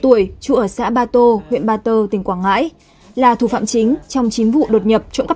trụ ở xã ba tô huyện ba tơ tỉnh quảng ngãi là thủ phạm chính trong chính vụ đột nhập trộm cấp